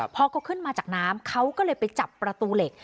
พอเขาขึ้นมาจากน้ำเขาก็เลยไปจับประตูเหล็ก